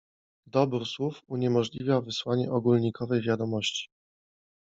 "Dobór słów uniemożliwia wysłanie ogólnikowej wiadomości."